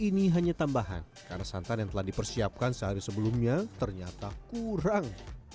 ini hanya tambahan karena santan yang telah dipersiapkan sehari sebelumnya ternyata kurang